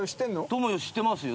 『友よ』知ってますよ。